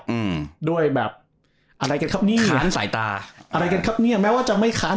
อืมด้วยแบบอะไรกันครับนี่ค้านสายตาอะไรกันครับเนี้ยแม้ว่าจะไม่ค้าน